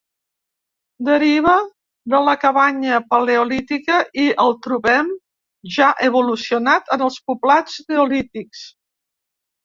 Deriva de la cabanya Paleolítica i el trobem ja evolucionat en els poblats Neolítics.